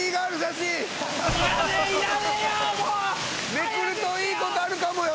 「めくるといいことあるかもよ」